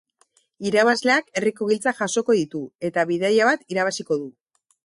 Irabazleak herriko giltzak jasoko ditu, eta bidaia bat irabaziko du.